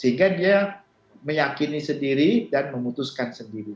sehingga dia meyakini sendiri dan memutuskan sendiri